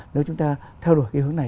nếu chúng ta theo đuổi cái hướng này